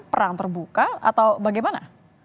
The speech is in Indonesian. perang terbuka atau bagaimana